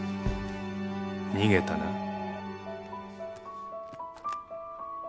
逃げたな。